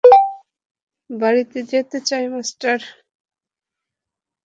বাড়িতে যেতে চাই, মাস্টার।